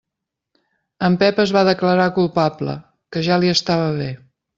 En Pep es va declarar culpable, que ja li estava bé.